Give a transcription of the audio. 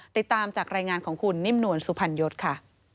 ติดตามจากรายงานของคุณนิ่มนวลสุพรรณยศค่ะ